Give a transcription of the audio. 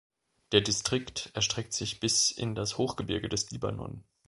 Der Distrikt erstreckt sich bis in das Hochgebirge des Libanon.